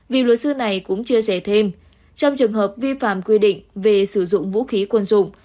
vì luật sư này cũng chia sẻ thêm trong trường hợp vi phạm quy định về sử dụng vũ khí quân dụng